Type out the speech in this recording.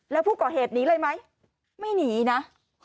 แล้วผู้ก่อเหตุหนีเลยไหมไม่หนีนะ